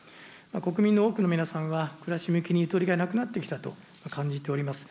国民の多くの皆さんは、暮らし向きにゆとりがなくなってきたと感じております。